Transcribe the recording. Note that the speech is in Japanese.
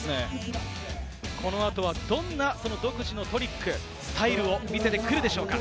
この後はどんな独自のトリック、スタイルを見せてくるでしょうか。